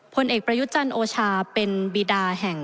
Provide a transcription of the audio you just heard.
ผลเอกประยุทธ์จันทร์โอชาเป็นบีดาแห่ง